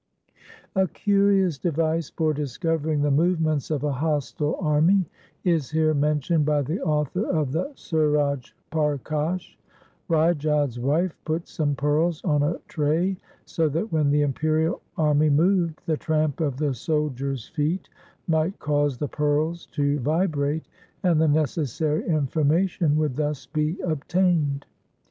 A curious device for discovering the movements of a hostile army is here mentioned by the author of the Suva] Parkash. Rai Jodh's wife put some pearls on a tray so that, when the imperial army moved, the tramp of the soldiers' feet might cause the pearls to vibrate and the necessary information would thus be obtained.